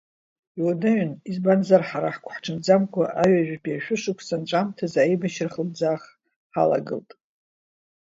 Иуадаҩын, избанзар, ҳара ҳгәыҳҽанӡамкәа аҩажәатәи ашәышықәса анҵәамҭазы аибашьра хлымӡаах ҳалагылт.